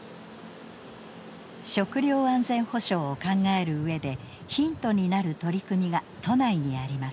食料安全保障を考えるうえでヒントになる取り組みが都内にあります。